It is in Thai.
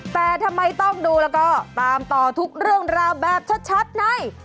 แต่ทำไมต้องดูแล้วก็ตามต่อทุกเรื่องราวแบบชัดใน